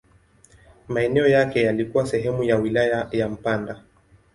Maeneo yake yalikuwa sehemu ya wilaya ya Mpanda.